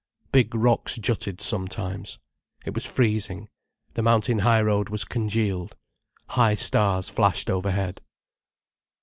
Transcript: Big rocks jutted sometimes. It was freezing, the mountain high road was congealed. High stars flashed overhead.